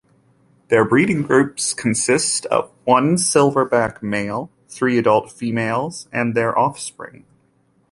Their breeding groups consist of one silverback male, three adult females and their offspring.